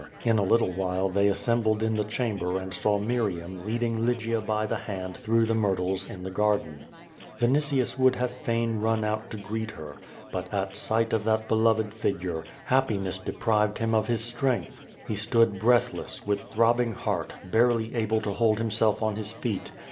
In a little while thc} assembled in the chamber and saw ^liriam leading Lygia by the hand through the myrtles in the garden. Vinitius would have fain run out to greet her. But at sight of that beloved figure, happiness deprived him of his strength. He stood breathless, with throbbing heart, barely able to hold himself on his feet.